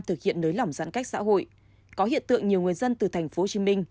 thực hiện nới lỏng giãn cách xã hội có hiện tượng nhiều người dân từ tp hcm